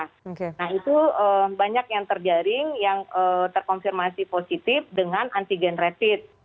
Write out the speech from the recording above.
nah itu banyak yang terjaring yang terkonfirmasi positif dengan antigen rapid